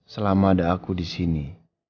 selama ada aku di sini